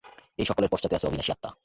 এই-সকলের পশ্চাতে আছে অবিনাশী আত্মা।